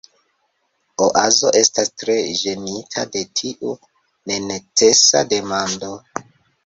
Oazo estas tre ĝenita de tiu nenecesa demando.